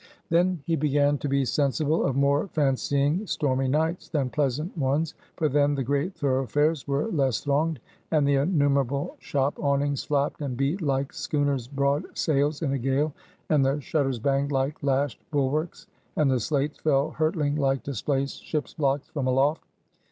Then he began to be sensible of more fancying stormy nights, than pleasant ones; for then, the great thoroughfares were less thronged, and the innumerable shop awnings flapped and beat like schooners' broad sails in a gale, and the shutters banged like lashed bulwarks; and the slates fell hurtling like displaced ship's blocks from aloft.